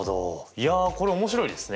いやこれ面白いですね。